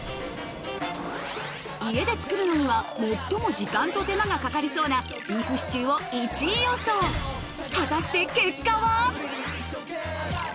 家で作るのには最も時間と手間がかかりそうなビーフシチューを１位予想果たして結果は？